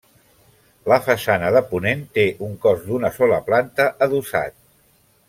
La façana de ponent té un cos d’una sola planta adossat.